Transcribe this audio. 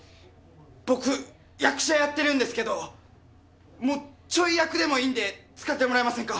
僕役者やってるんですけどもうちょい役でもいいんで使ってもらえませんか？